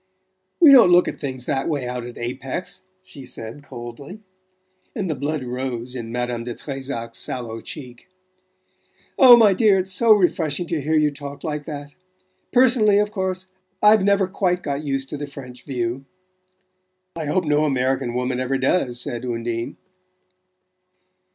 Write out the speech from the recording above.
"We don't look at things that way out at Apex," she said coldly; and the blood rose in Madame de Trezac's sallow cheek. "Oh, my dear, it's so refreshing to hear you talk like that! Personally, of course, I've never quite got used to the French view " "I hope no American woman ever does," said Undine.